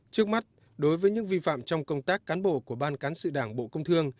trước mắt đối với những vi phạm trong công tác cán bộ của ban cán sự đảng bộ công thương